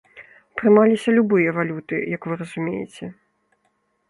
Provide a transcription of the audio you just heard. Прымаліся любыя валюты, як вы разумееце.